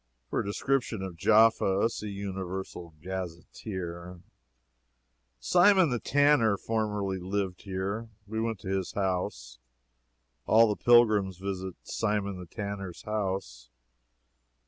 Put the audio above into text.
[For description of Jaffa, see Universal Gazetteer.] Simon the Tanner formerly lived here. We went to his house. All the pilgrims visit Simon the Tanner's house.